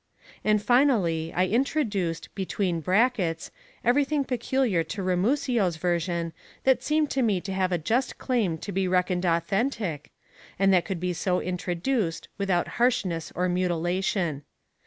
And finally I introduced between brackets everything peculiar to Ramusio's version that seemed to me to have a just claim to be reckoned authentic, and that could be so introduced with out harshness or mutilation.